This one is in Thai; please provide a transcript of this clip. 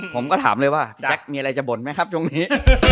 ผมก็ถามเลยว่าแจ๊คมีอะไรจะบ่นไหมครับช่วงนี้